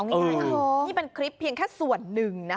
วันนี้คือคลิปเพียงแค่ส่วนหนึ่งนะ